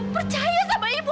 percaya sama ibu